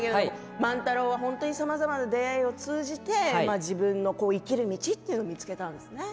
万太郎はさまざまな出会いを通じて自分の生きる道を見つけたんですね。